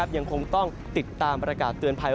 ยังคงต้องติดตามประกาศเตือนภัย